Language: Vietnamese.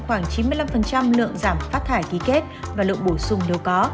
khoảng chín mươi năm lượng giảm phát thải ký kết và lượng bổ sung nếu có